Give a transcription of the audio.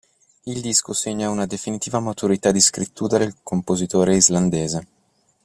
Il disco segna una definitiva maturità di scrittura del compositore Islandese.